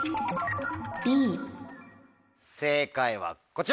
正解はこちら。